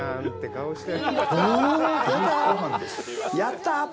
やったぁ！